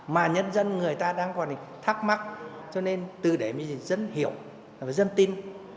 mà nhân dân người ta đang còn thắc mắc cho nên từ đấy dân hiểu dân tin